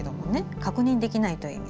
確認できないので。